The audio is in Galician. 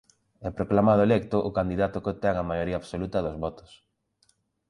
É proclamado electo o candidato que obtén a maioría absoluta dos votos.